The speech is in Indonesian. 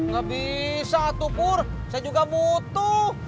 gak bisa tukur saya juga butuh